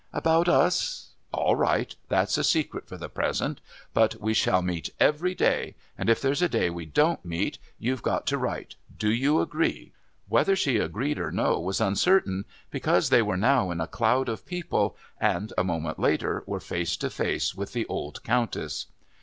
"About us? All right. That's a secret for the present; but we shall meet every day, and if there's a day we don't meet you've got to write. Do you agree?" Whether she agreed or no was uncertain, because they were now in a cloud of people, and, a moment later, were face to face with the old Countess.